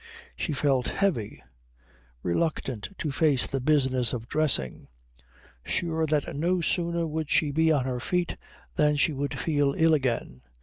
She felt heavy; reluctant to face the business of dressing; sure that no sooner would she be on her feet than she would feel ill again.